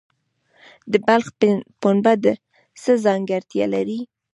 د بلخ پنبه څه ځانګړتیا لري؟